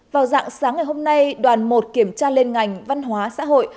vào dạng sáng ngày hôm nay đoàn một kiểm tra lên ngành văn hóa xã hội